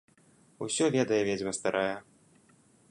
Усё ведае ведзьма старая.